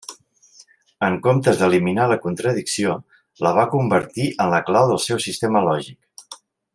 En comptes d'eliminar la contradicció, la va convertir en la clau del seu sistema lògic.